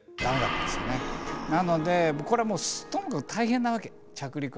なのでこれはともかく大変なわけ着陸は。